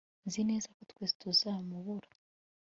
Nzi neza ko twese tuzamubura